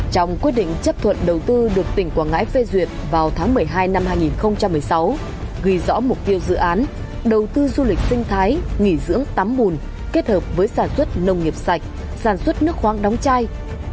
trong quyết định chấp thuận đầu tư được tỉnh quảng ngãi phê duyệt vào tháng một mươi hai năm hai nghìn một mươi sáu ghi rõ mục tiêu dự án đầu tư du lịch sinh thái nghỉ dưỡng tắm bùn kết hợp với sản xuất nông nghiệp sạch sản xuất nước khoáng đóng chai